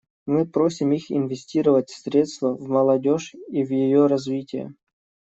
Мы просим их инвестировать средства в молодежь и в ее развитие.